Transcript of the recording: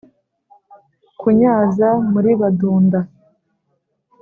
nkunyaza muri badunda